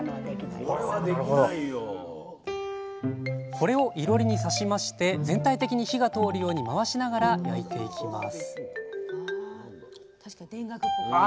これをいろりに刺しまして全体的に火が通るように回しながら焼いていきます